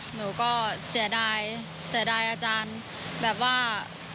หนูก็เสียดายอาจารย์แบบว่า